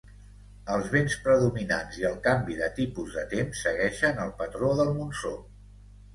Els vents predominants i el canvi de tipus de temps segueixen el patró del monsó.